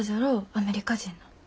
アメリカ人の。